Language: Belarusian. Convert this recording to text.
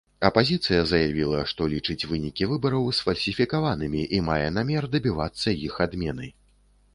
Апазіцыя заявіла, што лічыць вынікі выбараў сфальсіфікаванымі і мае намер дабівацца іх адмены.